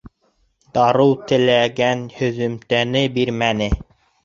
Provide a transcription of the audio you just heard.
Дарыу теләгән һөҙөмтәне бирмәне